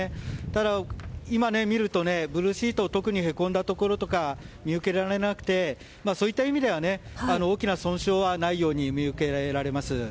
ただ今、見るとブルーシートは特にへこんだところとか見受けられなくてそういった意味では大きな損傷はないように見受けられます。